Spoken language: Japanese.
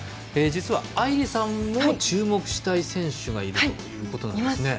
実は、愛莉さんも注目したい選手がいるということなんですね。